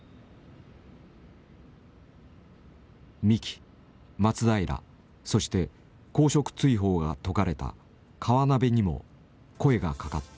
三木松平そして公職追放が解かれた河辺にも声がかかった。